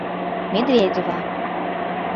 Медведева.